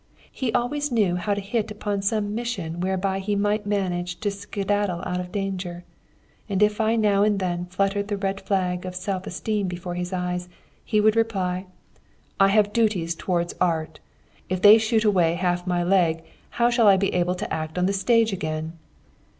He always knew how to hit upon some mission whereby he might manage to skedaddle out of danger. And if I now and then fluttered the red rag of self esteem before his eyes, he would reply: 'I have duties towards art; if they shoot away half my leg, how shall I be able to act on the stage again?'